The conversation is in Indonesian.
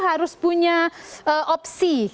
harus punya opsi